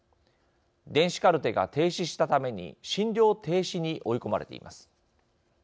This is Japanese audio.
電子カルテが停止したために診療停止に追い込まれています。